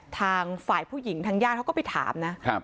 ทางฝ่ายผู้หญิงทางย่างเขาก็ไปถามนะครับ